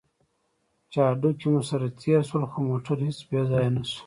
چې هډوکي مو سره تېر شول، خو موټر هېڅ بې ځایه نه شو.